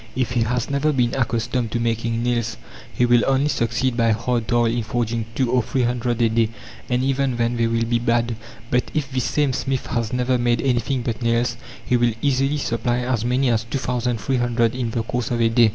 If he has never been accustomed to making nails he will only succeed by hard toil in forging two or three hundred a day, and even then they will be bad. But if this same smith has never made anything but nails, he will easily supply as many as two thousand three hundred in the course of a day.